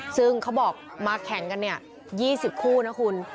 ซึ่งเขาบอกมาแข่งกัน๒๐คู่นะคุณ